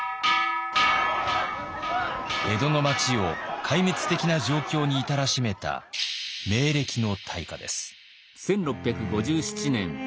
江戸の町を壊滅的な状況に至らしめた明暦の大火です。